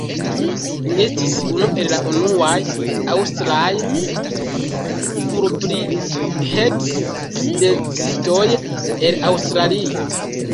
Li estis unu el la unuaj aŭstraj Fulbright-stipendiistoj el Aŭstrio.